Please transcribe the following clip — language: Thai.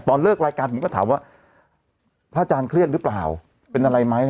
เลิกรายการผมก็ถามว่าพระอาจารย์เครียดหรือเปล่าเป็นอะไรไหม